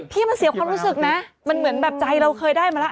พี่มันเสียความรู้สึกนะมันเหมือนแบบใจเราเคยได้มาแล้ว